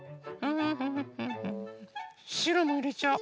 しろもいれちゃお。